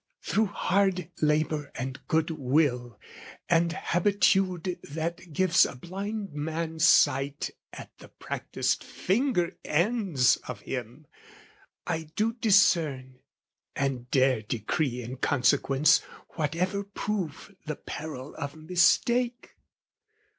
Through hard labour and good will, And habitude that gives a blind man sight At the practised finger ends of him, I do Discern, and dare decree in consequence, Whatever prove the peril of mistake.